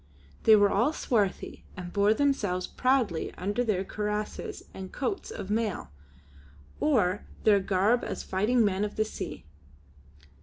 They were all swarthy, and bore themselves proudly under their cuirasses and coats of mail, or their garb as fighting men of the sea.